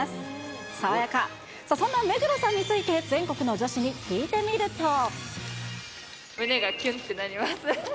爽やか、そんな目黒さんについて、胸がキュンってなります。